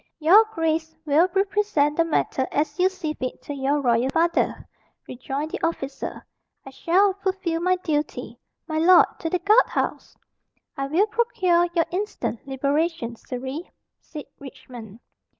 "Your grace will represent the matter as you see fit to your royal father," rejoined the officer. "I shall fulfil my duty. My lord, to the guard house!" "I will procure your instant liberation, Surrey," said Richmond.